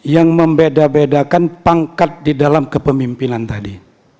yang membeda bedakan pangkat di dalam kepemimpinan tadi